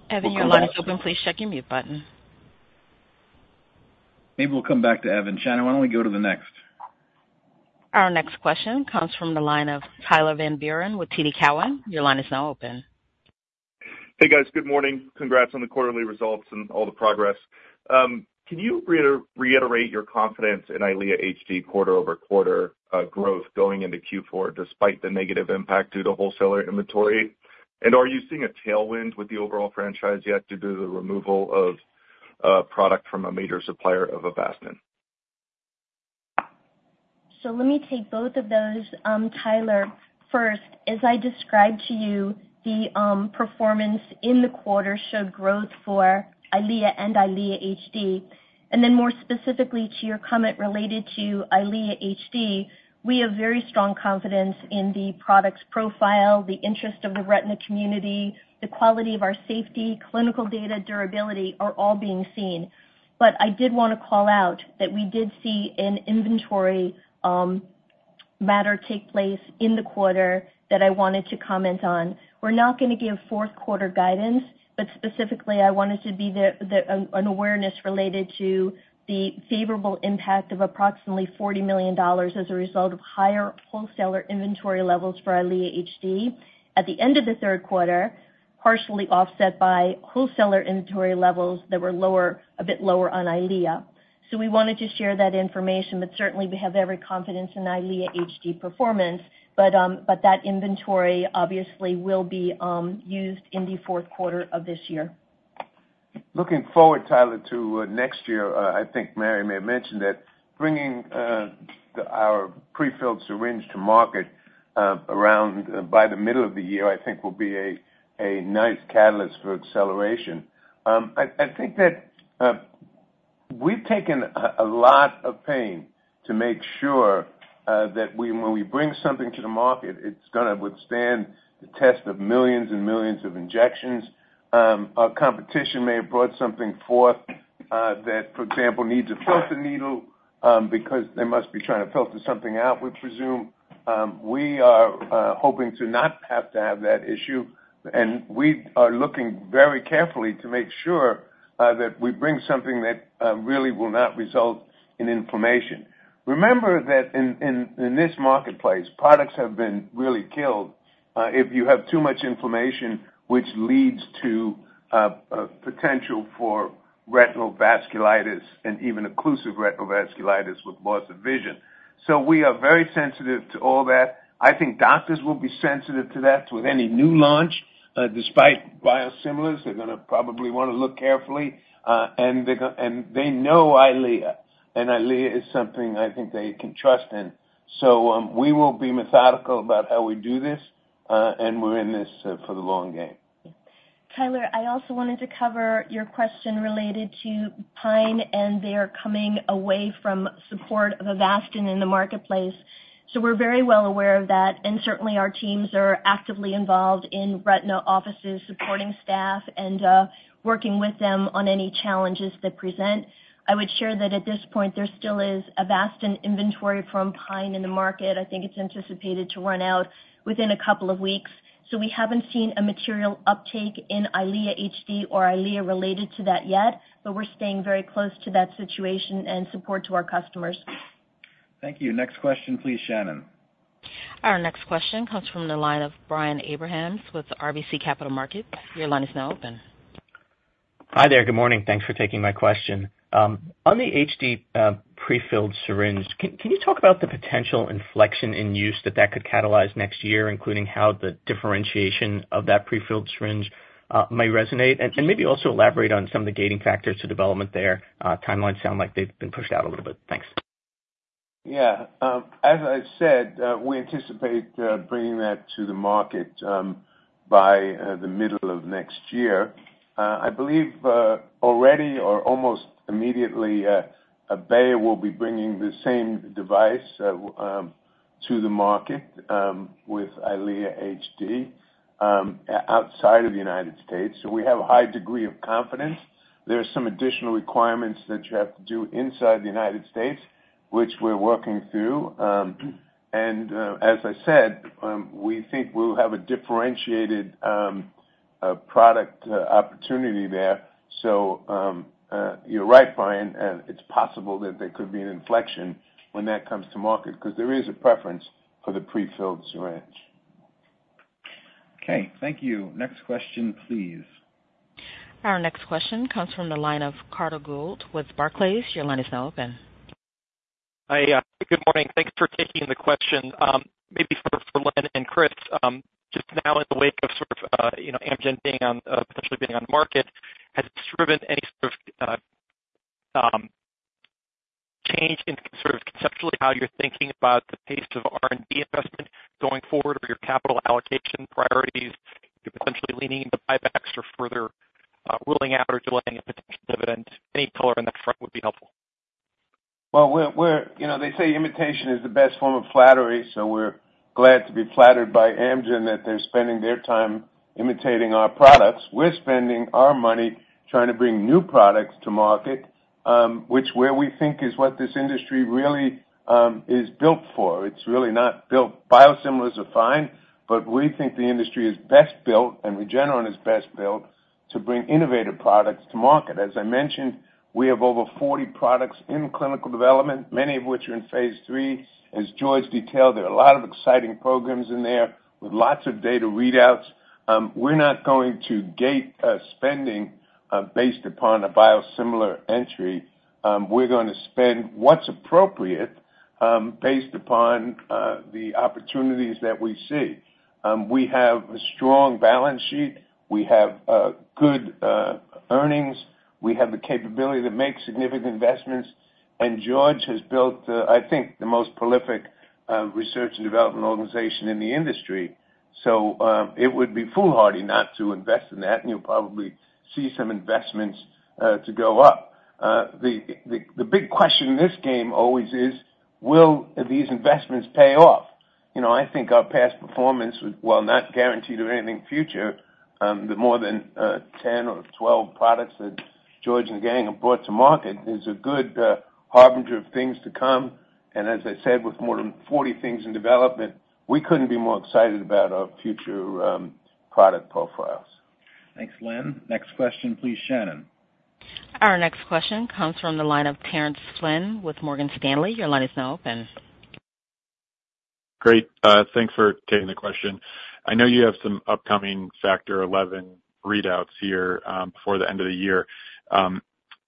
Evan, your line is open. Please check your mute button. Maybe we'll come back to Evan. Shannon, why don't we go to the next? Our next question comes from the line of Tyler Van Buren with TD Cowen. Your line is now open. Hey, guys. Good morning. Congrats on the quarterly results and all the progress. Can you reiterate your confidence in Eylea HD quarter-over-quarter growth going into Q4 despite the negative impact due to wholesaler inventory? And are you seeing a tailwind with the overall franchise yet due to the removal of product from a major supplier of Avastin? So let me take both of those. Tyler, first, as I described to you, the performance in the quarter showed growth for Eylea and Eylea HD. And then more specifically to your comment related to Eylea HD, we have very strong confidence in the product's profile, the interest of the retina community, the quality of our safety, clinical data, durability are all being seen. But I did want to call out that we did see an inventory matter take place in the quarter that I wanted to comment on. We're not going to give fourth-quarter guidance, but specifically, I wanted to be an awareness related to the favorable impact of approximately $40 million as a result of higher wholesaler inventory levels for Eylea HD at the end of the third quarter, partially offset by wholesaler inventory levels that were a bit lower on Eylea. So we wanted to share that information, but certainly, we have every confidence in Eylea HD performance, but that inventory obviously will be used in the fourth quarter of this year. Looking forward, Tyler, to next year, I think Marion may have mentioned that bringing our prefilled syringe to market by the middle of the year, I think, will be a nice catalyst for acceleration. I think that we've taken a lot of pain to make sure that when we bring something to the market, it's going to withstand the test of millions and millions of injections. Our competition may have brought something forth that, for example, needs a filter needle because they must be trying to filter something out, we presume. We are hoping to not have to have that issue, and we are looking very carefully to make sure that we bring something that really will not result in inflammation. Remember that in this marketplace, products have been really killed if you have too much inflammation, which leads to potential for retinal vasculitis and even occlusive retinal vasculitis with loss of vision. So we are very sensitive to all that. I think doctors will be sensitive to that with any new launch. Despite biosimilars, they're going to probably want to look carefully, and they know Eylea, and Eylea is something I think they can trust in. So we will be methodical about how we do this, and we're in this for the long game. Tyler, I also wanted to cover your question related to Pine and their coming away from support of Avastin in the marketplace. So we're very well aware of that, and certainly, our teams are actively involved in retina offices, supporting staff, and working with them on any challenges that present. I would share that at this point, there still is Avastin inventory from Pine in the market. I think it's anticipated to run out within a couple of weeks. So we haven't seen a material uptake in Eylea HD or Eylea related to that yet, but we're staying very close to that situation and support to our customers. Thank you. Next question, please, Shannon. Our next question comes from the line of Brian Abrahams with RBC Capital Markets. Your line is now open. Hi there. Good morning. Thanks for taking my question. On the HD prefilled syringe, can you talk about the potential inflection in use that that could catalyze next year, including how the differentiation of that prefilled syringe may resonate, and maybe also elaborate on some of the gating factors to development there? Timelines sound like they've been pushed out a little bit. Thanks. Yeah. As I said, we anticipate bringing that to the market by the middle of next year. I believe already or almost immediately, Bayer will be bringing the same device to the market with Eylea HD outside of the United States. So we have a high degree of confidence. There are some additional requirements that you have to do inside the United States, which we're working through. And as I said, we think we'll have a differentiated product opportunity there. So you're right, Brian. It's possible that there could be an inflection when that comes to market because there is a preference for the prefilled syringe. Okay. Thank you. Next question, please. Our next question comes from the line of Carter Gould with Barclays. Your line is now open. Hi. Good morning. Thanks for taking the question. Maybe for Len and Chris, just now in the wake of sort of Amgen potentially being on the market, has this driven any sort of change in sort of conceptually how you're thinking about the pace of R&D investment going forward or your capital allocation priorities, potentially leaning into buybacks or further ruling out or delaying a potential dividend? Any color on that front would be helpful. They say imitation is the best form of flattery, so we're glad to be flattered by Amgen that they're spending their time imitating our products. We're spending our money trying to bring new products to market, which we think is what this industry really is built for. It's really not built. Biosimilars are fine, but we think the industry is best built, and Regeneron is best built to bring innovative products to market. As I mentioned, we have over 40 products in clinical development, many of which are in phase three. As George detailed, there are a lot of exciting programs in there with lots of data readouts. We're not going to gate spending based upon a biosimilar entry. We're going to spend what's appropriate based upon the opportunities that we see. We have a strong balance sheet. We have good earnings. We have the capability to make significant investments. And George has built, I think, the most prolific research and development organization in the industry. So it would be foolhardy not to invest in that, and you'll probably see some investments to go up. The big question in this game always is, will these investments pay off? I think our past performance will not guarantee anything future. The more than 10 or 12 products that George and the gang have brought to market is a good harbinger of things to come. And as I said, with more than 40 things in development, we couldn't be more excited about our future product profiles. Thanks, Len. Next question, please, Shannon. Our next question comes from the line of Terence Flynn with Morgan Stanley. Your line is now open. Great. Thanks for taking the question. I know you have some upcoming Factor XI readouts here before the end of the year.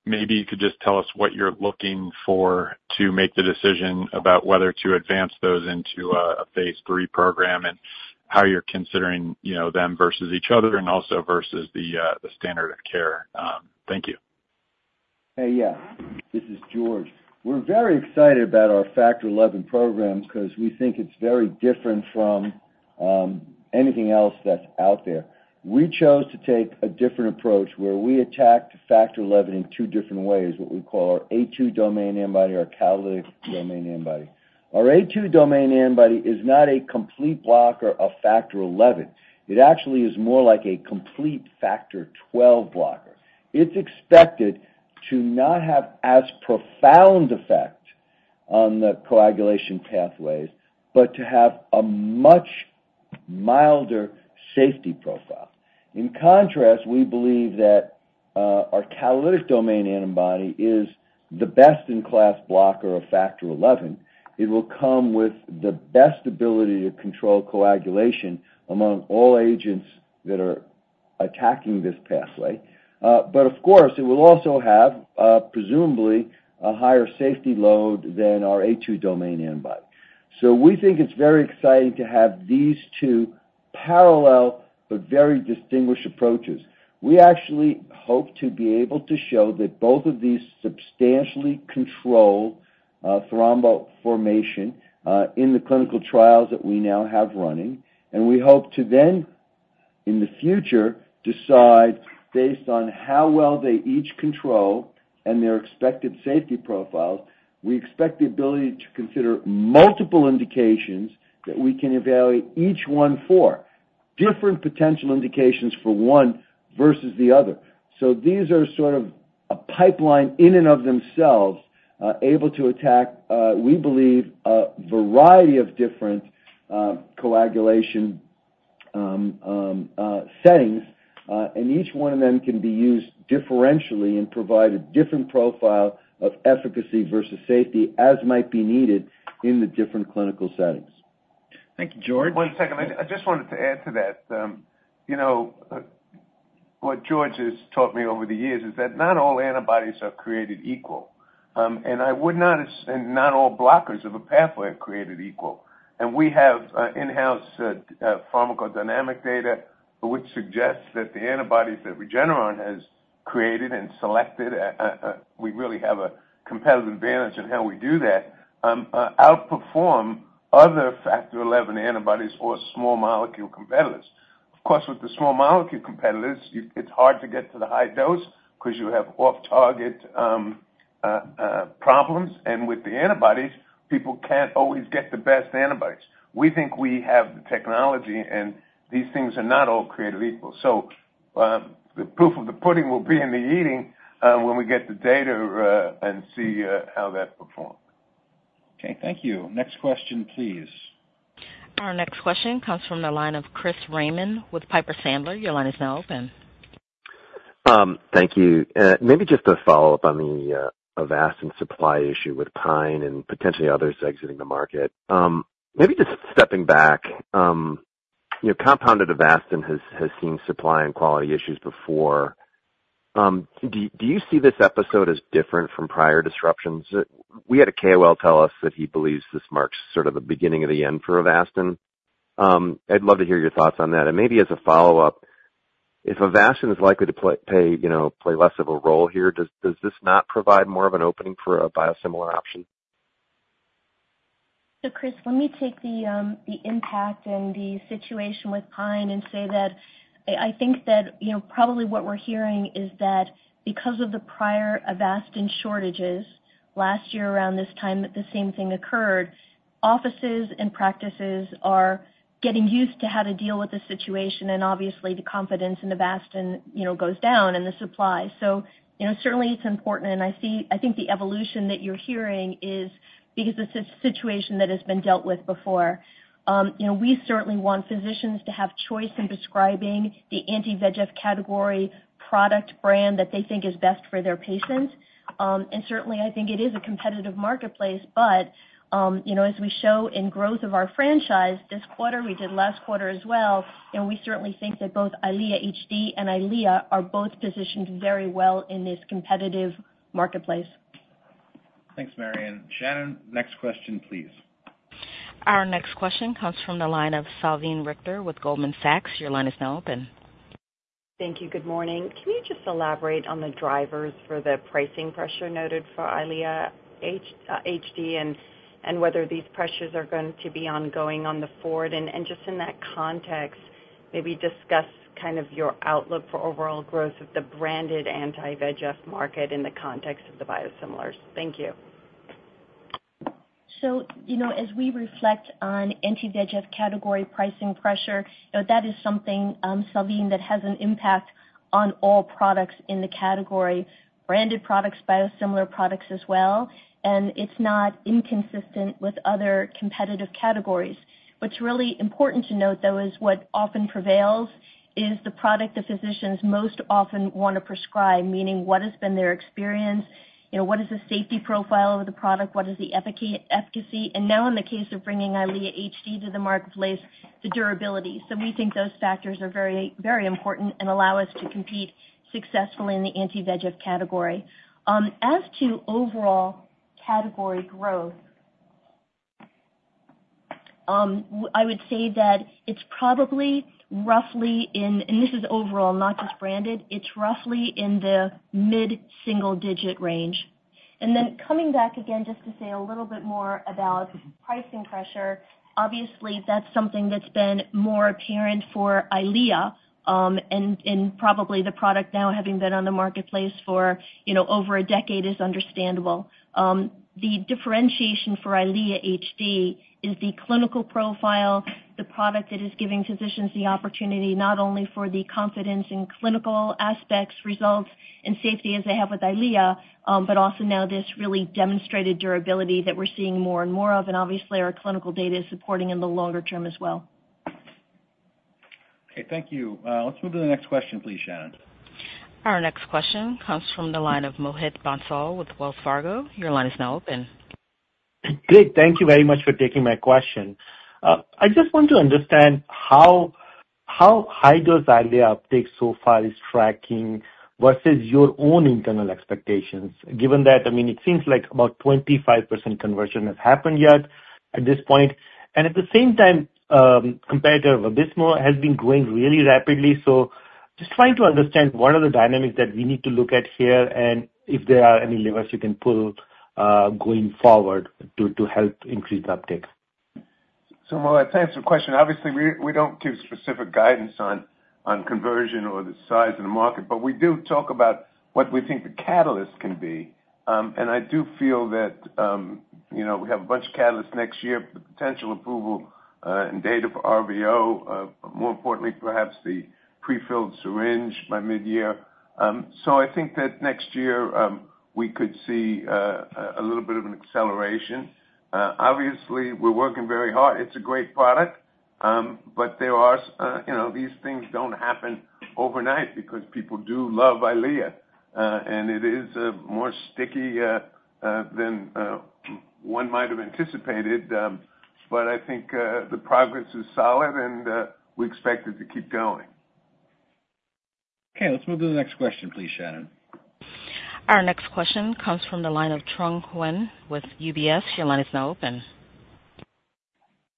Maybe you could just tell us what you're looking for to make the decision about whether to advance those into a phase three program and how you're considering them versus each other and also versus the standard of care. Thank you. Hey, yeah. This is George. We're very excited about our Factor XI program because we think it's very different from anything else that's out there. We chose to take a different approach where we attacked Factor XI in two different ways, what we call our A2 domain antibody or catalytic domain antibody. Our A2 domain antibody is not a complete blocker of Factor XI. It actually is more like a complete Factor XII blocker. It's expected to not have as profound effect on the coagulation pathways, but to have a much milder safety profile. In contrast, we believe that our catalytic domain antibody is the best-in-class blocker of Factor XI. It will come with the best ability to control coagulation among all agents that are attacking this pathway. But of course, it will also have presumably a higher safety load than our A2 domain antibody. So we think it's very exciting to have these two parallel but very distinguished approaches. We actually hope to be able to show that both of these substantially control thrombus formation in the clinical trials that we now have running, and we hope to then, in the future, decide based on how well they each control and their expected safety profiles. We expect the ability to consider multiple indications that we can evaluate each one for, different potential indications for one versus the other. So these are sort of a pipeline in and of themselves, able to attack, we believe, a variety of different coagulation settings. And each one of them can be used differentially and provide a different profile of efficacy versus safety as might be needed in the different clinical settings. Thank you, George. One second. I just wanted to add to that. What George has taught me over the years is that not all antibodies are created equal. And I would not assume not all blockers of a pathway are created equal. And we have in-house pharmacodynamic data which suggests that the antibodies that Regeneron has created and selected, we really have a competitive advantage in how we do that, outperform other Factor 11 antibodies or small molecule competitors. Of course, with the small molecule competitors, it's hard to get to the high dose because you have off-target problems. And with the antibodies, people can't always get the best antibodies. We think we have the technology, and these things are not all created equal. So the proof of the pudding will be in the eating when we get the data and see how that performs. Okay. Thank you. Next question, please. Our next question comes from the line of Chris Raymond with Piper Sandler. Your line is now open. Thank you. Maybe just a follow-up on the Avastin supply issue with Pine and potentially others exiting the market. Maybe just stepping back, compounded Avastin has seen supply and quality issues before. Do you see this episode as different from prior disruptions? We had a KOL tell us that he believes this marks sort of the beginning of the end for Avastin. I'd love to hear your thoughts on that. And maybe as a follow-up, if Avastin is likely to play less of a role here, does this not provide more of an opening for a biosimilar option? So Chris, let me take the impact and the situation with Pine and say that I think that probably what we're hearing is that because of the prior Avastin shortages last year around this time that the same thing occurred, offices and practices are getting used to how to deal with the situation. And obviously, the confidence in Avastin goes down and the supply. So certainly, it's important. And I think the evolution that you're hearing is because this is a situation that has been dealt with before. We certainly want physicians to have choice in prescribing the anti-VEGF category product brand that they think is best for their patients. And certainly, I think it is a competitive marketplace. But as we show in growth of our franchise this quarter, we did last quarter as well. And we certainly think that both Eylea HD and Eylea are both positioned very well in this competitive marketplace. Thanks, Marion. Shannon, next question, please. Our next question comes from the line of Salveen Richter with Goldman Sachs. Your line is now open. Thank you. Good morning. Can you just elaborate on the drivers for the pricing pressure noted for Eylea HD and whether these pressures are going to be ongoing going forward? And just in that context, maybe discuss kind of your outlook for overall growth of the branded anti-VEGF market in the context of the biosimilars. Thank you. So as we reflect on anti-VEGF category pricing pressure, that is something, Salveen, that has an impact on all products in the category, branded products, biosimilar products as well. And it's not inconsistent with other competitive categories. What's really important to note, though, is what often prevails is the product the physicians most often want to prescribe, meaning what has been their experience, what is the safety profile of the product, what is the efficacy. And now, in the case of bringing Eylea HD to the marketplace, the durability. So we think those factors are very important and allow us to compete successfully in the anti-VEGF category. As to overall category growth, I would say that it's probably roughly in, and this is overall, not just branded, it's roughly in the mid-single-digit range. And then coming back again just to say a little bit more about pricing pressure, obviously, that's something that's been more apparent for Eylea. And probably the product now, having been on the marketplace for over a decade, is understandable. The differentiation for Eylea HD is the clinical profile, the product that is giving physicians the opportunity not only for the confidence in clinical aspects, results, and safety as they have with Eylea, but also now this really demonstrated durability that we're seeing more and more of. And obviously, our clinical data is supporting in the longer term as well. Okay. Thank you. Let's move to the next question, please, Shannon. Our next question comes from the line of Mohit Bansal with Wells Fargo. Your line is now open. Great. Thank you very much for taking my question. I just want to understand how high does Eylea uptake so far is tracking versus your own internal expectations, given that, I mean, it seems like about 25% conversion has happened yet at this point. And at the same time, competitor Vabismo has been growing really rapidly. So just trying to understand what are the dynamics that we need to look at here and if there are any levers you can pull going forward to help increase the uptake. So Mohit, thanks for the question. Obviously, we don't give specific guidance on conversion or the size of the market, but we do talk about what we think the catalyst can be. And I do feel that we have a bunch of catalysts next year, potential approval and data for RVO, more importantly, perhaps the prefilled syringe by mid-year. So I think that next year, we could see a little bit of an acceleration. Obviously, we're working very hard. It's a great product. But there are these things don't happen overnight because people do love Eylea. And it is more sticky than one might have anticipated. But I think the progress is solid, and we expect it to keep going. Okay. Let's move to the next question, please, Shannon. Our next question comes from the line of Trung Huynh with UBS. Your line is now open.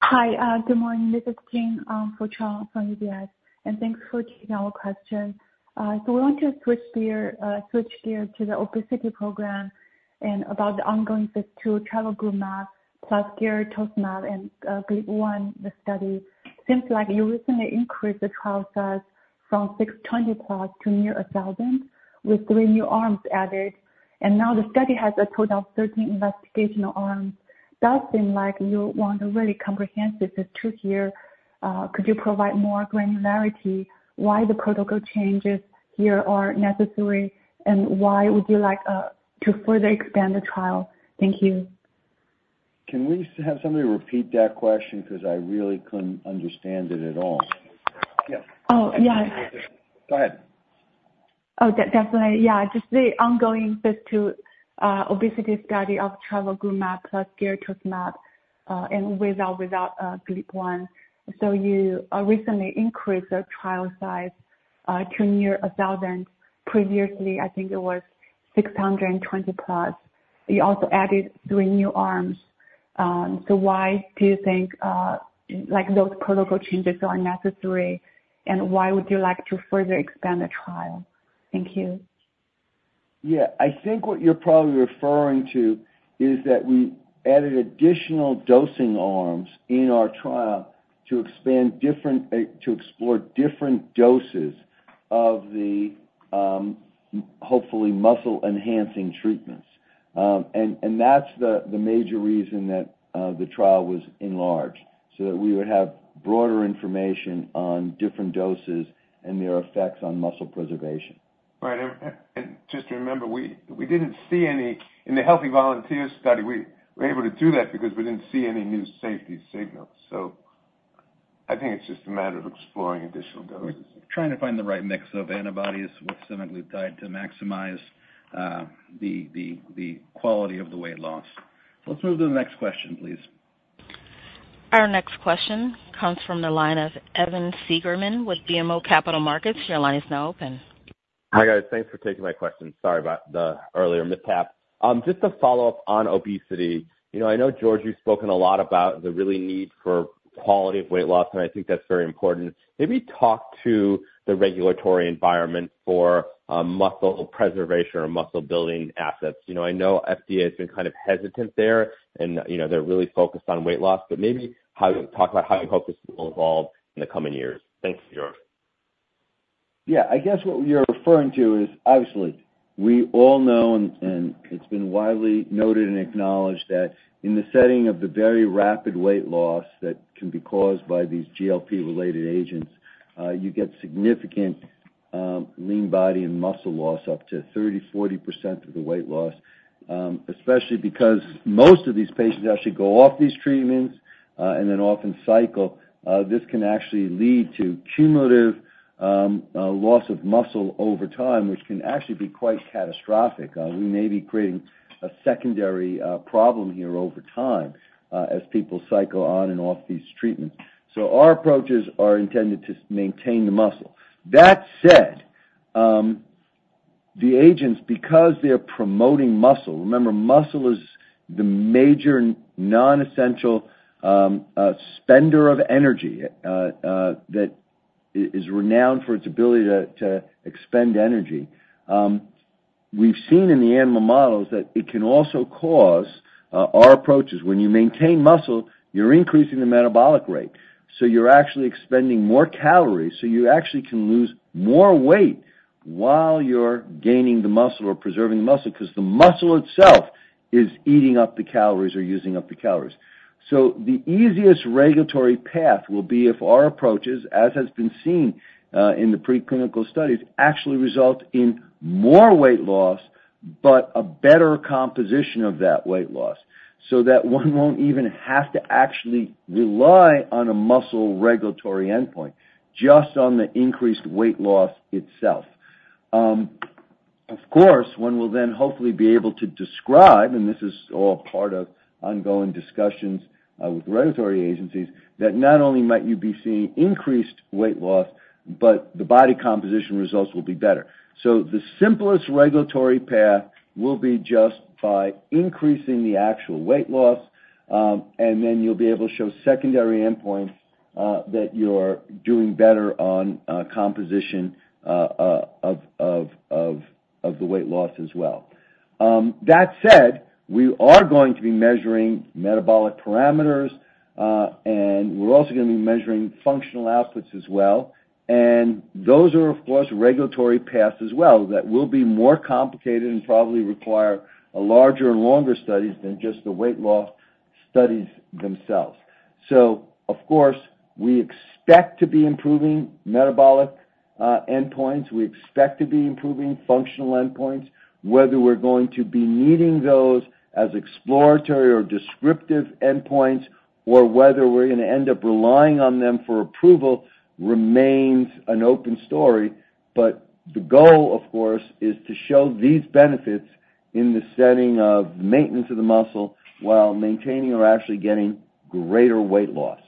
Hi. Good morning. This is Jing for Trung from UBS. And thanks for taking our question. So we want to switch gear to the obesity program and about the ongoing phase two trevogrumab plus garetosmab, and GLP-1, the study. Seems like you recently increased the trial size from 620 plus to near 1,000 with three new arms added. Now the study has a total of 13 investigational arms. Does seem like you want a really comprehensive phase two here. Could you provide more granularity why the protocol changes here are necessary and why would you like to further expand the trial? Thank you. Can we have somebody repeat that question because I really couldn't understand it at all? Yes. Oh, yeah. Go ahead. Oh, definitely. Yeah. Just the ongoing phase two obesity study of trevogrumab plus garetosmab, and without GLP-1. So you recently increased the trial size to near 1,000. Previously, I think it was 620 plus. You also added three new arms. So why do you think those protocol changes are necessary, and why would you like to further expand the trial? Thank you. Yeah. I think what you're probably referring to is that we added additional dosing arms in our trial to explore different doses of the hopefully muscle-enhancing treatments, and that's the major reason that the trial was enlarged so that we would have broader information on different doses and their effects on muscle preservation. Right, and just remember, we didn't see any in the healthy volunteer study, we were able to do that because we didn't see any new safety signals, so I think it's just a matter of exploring additional doses, trying to find the right mix of antibodies with semaglutide to maximize the quality of the weight loss, so let's move to the next question, please. Our next question comes from the line of Evan Seigerman with BMO Capital Markets. Your line is now open. Hi guys. Thanks for taking my question. Sorry about the earlier mishap. Just a follow-up on obesity. I know, George, you've spoken a lot about the really need for quality of weight loss, and I think that's very important. Maybe talk to the regulatory environment for muscle preservation or muscle-building assets. I know FDA has been kind of hesitant there, and they're really focused on weight loss. But maybe talk about how you hope this will evolve in the coming years. Thank you, George. Yeah. I guess what you're referring to is obviously, we all know, and it's been widely noted and acknowledged that in the setting of the very rapid weight loss that can be caused by these GLP-related agents, you get significant lean body and muscle loss up to 30%-40% of the weight loss, especially because most of these patients actually go off these treatments and then often cycle. This can actually lead to cumulative loss of muscle over time, which can actually be quite catastrophic. We may be creating a secondary problem here over time as people cycle on and off these treatments, so our approaches are intended to maintain the muscle. That said, the agents, because they're promoting muscle, remember, muscle is the major non-essential spender of energy that is renowned for its ability to expend energy. We've seen in the animal models that it can also cause our approach is when you maintain muscle, you're increasing the metabolic rate, so you're actually expending more calories, so you actually can lose more weight while you're gaining the muscle or preserving the muscle because the muscle itself is eating up the calories or using up the calories. So the easiest regulatory path will be if our approaches, as has been seen in the preclinical studies, actually result in more weight loss but a better composition of that weight loss so that one won't even have to actually rely on a muscle regulatory endpoint, just on the increased weight loss itself. Of course, one will then hopefully be able to describe, and this is all part of ongoing discussions with regulatory agencies, that not only might you be seeing increased weight loss, but the body composition results will be better, so the simplest regulatory path will be just by increasing the actual weight loss, and then you'll be able to show secondary endpoints that you're doing better on composition of the weight loss as well. That said, we are going to be measuring metabolic parameters, and we're also going to be measuring functional outputs as well. And those are, of course, regulatory paths as well that will be more complicated and probably require larger and longer studies than just the weight loss studies themselves. So, of course, we expect to be improving metabolic endpoints. We expect to be improving functional endpoints. Whether we're going to be needing those as exploratory or descriptive endpoints or whether we're going to end up relying on them for approval remains an open story. But the goal, of course, is to show these benefits in the setting of maintenance of the muscle while maintaining or actually getting greater weight loss.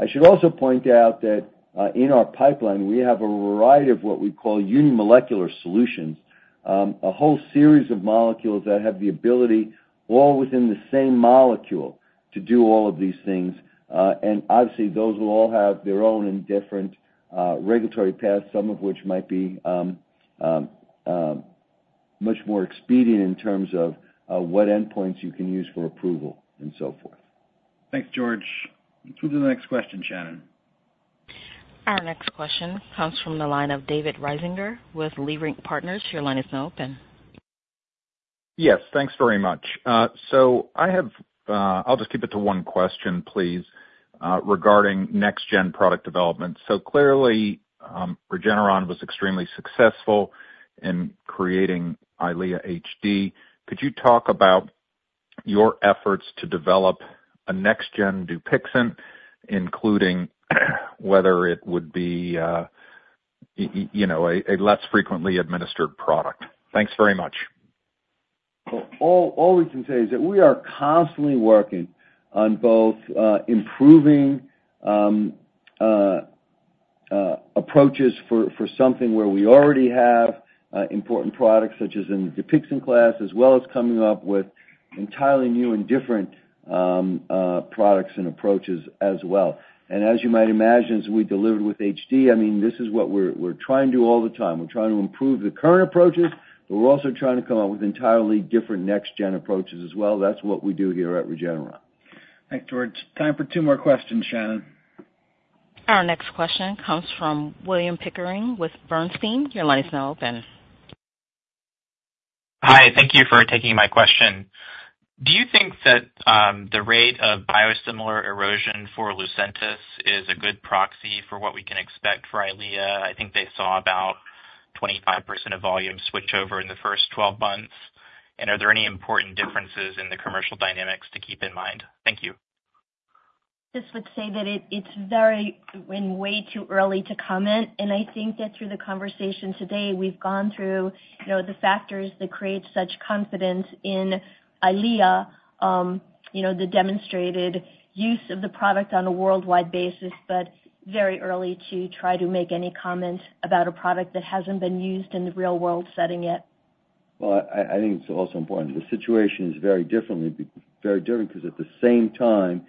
I should also point out that in our pipeline, we have a variety of what we call unimolecular solutions, a whole series of molecules that have the ability, all within the same molecule, to do all of these things. And obviously, those will all have their own different regulatory paths, some of which might be much more expedient in terms of what endpoints you can use for approval and so forth. Thanks, George. Let's move to the next question, Shannon. Our next question comes from the line of David Risinger with Leerink Partners. Your line is now open. Yes. Thanks very much. So I'll just keep it to one question, please, regarding next-gen product development. So clearly, Regeneron was extremely successful in creating Eylea HD. Could you talk about your efforts to develop a next-gen Dupixent, including whether it would be a less frequently administered product? Thanks very much. All we can say is that we are constantly working on both improving approaches for something where we already have important products such as in the Dupixent class, as well as coming up with entirely new and different products and approaches as well. And as you might imagine, as we delivered with HD, I mean, this is what we're trying to do all the time. We're trying to improve the current approaches, but we're also trying to come up with entirely different next-gen approaches as well. That's what we do here at Regeneron. Thanks, George. Time for two more questions, Shannon. Our next question comes from William Pickering with Bernstein. Your line is now open. Hi. Thank you for taking my question. Do you think that the rate of biosimilar erosion for Lucentis is a good proxy for what we can expect for Eylea? I think they saw about 25% of volume switch over in the first 12 months. And are there any important differences in the commercial dynamics to keep in mind? Thank you. Just would say that it's very way too early to comment. And I think that through the conversation today, we've gone through the factors that create such confidence in Eylea, the demonstrated use of the product on a worldwide basis, but very early to try to make any comment about a product that hasn't been used in the real-world setting yet. Well, I think it's also important. The situation is very different because at the same time,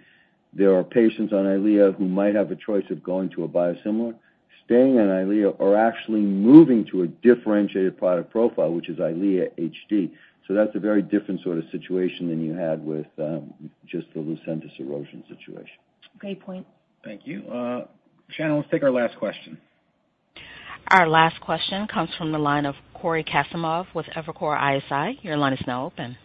there are patients on Eylea who might have a choice of going to a biosimilar, staying on Eylea, or actually moving to a differentiated product profile, which is Eylea HD. That's a very different sort of situation than you had with just the Lucentis erosion situation. Great point. Thank you. Shannon, let's take our last question. Our last question comes from the line of Cory Kasimov with Evercore ISI. Your line is now open.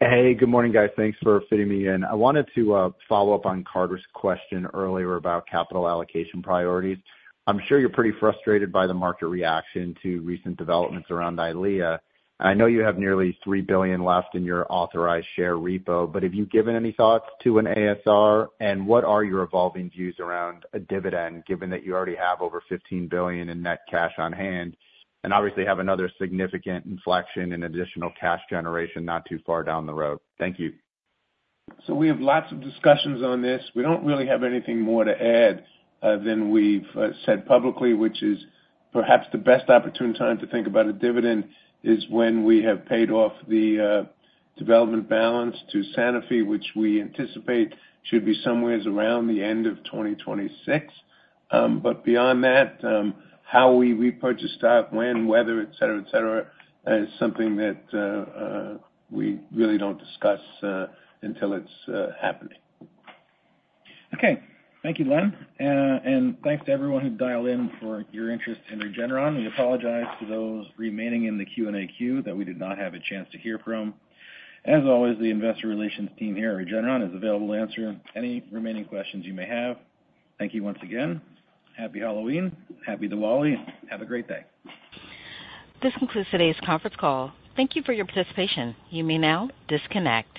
Hey, good morning, guys. Thanks for fitting me in. I wanted to follow up on Carter's question earlier about capital allocation priorities. I'm sure you're pretty frustrated by the market reaction to recent developments around Eylea. I know you have nearly $3 billion left in your authorized share repo. But have you given any thoughts to an ASR? And what are your evolving views around a dividend, given that you already have over $15 billion in net cash on hand and obviously have another significant inflection and additional cash generation not too far down the road? Thank you. So we have lots of discussions on this. We don't really have anything more to add than we've said publicly, which is perhaps the best opportune time to think about a dividend is when we have paid off the development balance to Sanofi, which we anticipate should be somewhere around the end of 2026. But beyond that, how we repurchase stock, when, whether, etc., etc., is something that we really don't discuss unti l it's happening. Okay. Thank you, Len. And thanks to everyone who dialed in for your interest in Regeneron. We apologize to those remaining in the Q&A queue that we did not have a chance to hear from. As always, the investor relations team here at Regeneron is available to answer any remaining questions you may have. Thank you once again. Happy Halloween. Happy Diwali. Have a great day. This concludes today's conference call. Thank you for your participation. You may now disconnect.